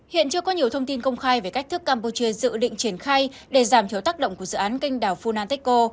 hiện chưa có nhiều thông tin công khai về cách thức campuchia dự định triển khai để giảm thiểu tác động của dự án kênh đảo funantechco